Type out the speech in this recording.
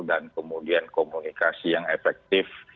dan kemudian komunikasi yang efektif